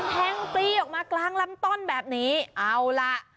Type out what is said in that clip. แทงตีออกมากลางลำต้นแบบนี้เอาล่ะ